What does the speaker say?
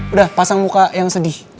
udah pasang muka yang sedih